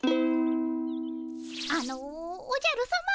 あのおじゃるさま。